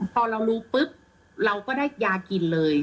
พอเรารู้ปุ๊บเราก็ได้ยากินเลย